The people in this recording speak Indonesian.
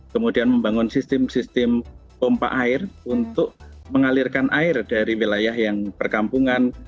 kemudian membangun sistem sistem pompa air untuk mengalirkan air dari wilayah yang perkampungan